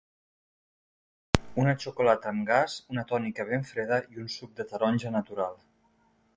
Una xocolata amb gas, una tònica ben freda i un suc de taronja natural.